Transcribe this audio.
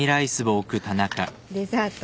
デザート？